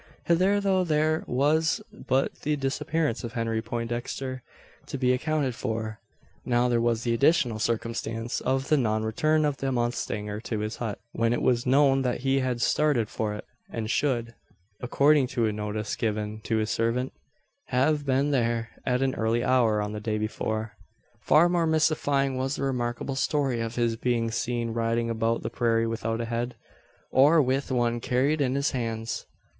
Hitherto there was but the disappearance of Henry Poindexter to be accounted for; now there was the additional circumstance of the non return of the mustanger to his hut when it was known that he had started for it, and should, according to a notice given to his servant, have been there at an early hour on the day before. Far more mystifying was the remarkable story of his being seen riding about the prairie without a head, or with one carried in his hands!